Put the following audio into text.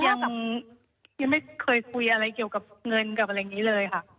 ยังยังไม่เคยคุยอะไรเกี่ยวกับเงินกับอะไรอย่างนี้เลยค่ะ